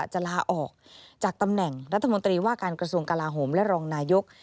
จะลาออกจากตำแหน่งรัฐมนตรีว่าการกระทรวงกลาโหมและรองนายก